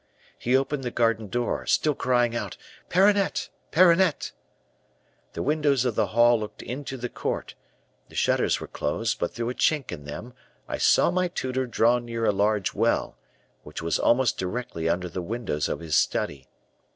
He opened the garden door, still crying out, 'Perronnette! Perronnette!' The windows of the hall looked into the court; the shutters were closed; but through a chink in them I saw my tutor draw near a large well, which was almost directly under the windows of his study.